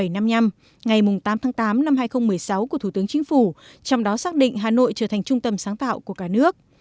một nghìn bảy trăm năm mươi năm ngày tám tháng tám năm hai nghìn một mươi sáu của thủ tướng chính phủ trong đó xác định hà nội trở thành trung tâm sáng tạo của cả nước